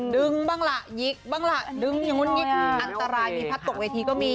ดึงบ้างล่ะหยิกบ้างล่ะดึงอย่างนู้นหิกอันตรายมีพัดตกเวทีก็มี